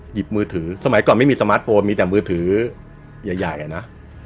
หยิบมือถือสมัยก่อนไม่มีสมาร์ทโฟนมีแต่มือถือใหญ่อะนะ